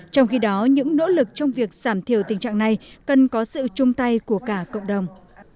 trong khi đó những nỗ lực trong việc giảm thiểu tình trạng này cần có sự chung tay của cả cộng đồng